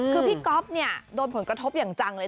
คือพี่ก๊อฟเนี่ยโดนผลกระทบอย่างจังเลย